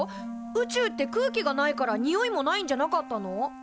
宇宙って空気がないからにおいもないんじゃなかったの？